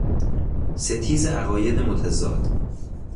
ستیز عقاید متضاد